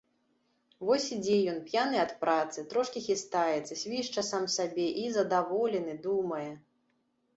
Вось ідзе ён, п'яны ад працы, трошкі хістаецца, свішча сам сабе і, задаволены, думае.